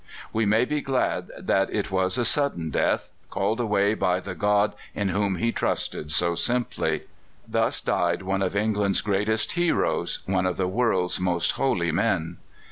We may be glad that it was a sudden death called away by the God in whom he trusted so simply. Thus died one of England's greatest heroes, one of the world's most holy men.